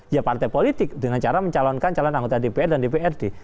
ya partai politik dengan cara mencalonkan calon anggota dpr dan dprd